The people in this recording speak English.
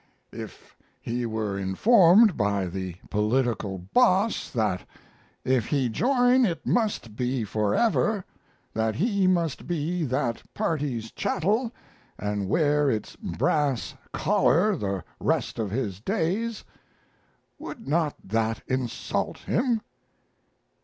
If he were informed by the political boss that if he join, it must be forever; that he must be that party's chattel and wear its brass collar the rest of his days would not that insult him?